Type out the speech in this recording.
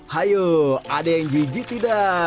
hayu ada yang jijik tidak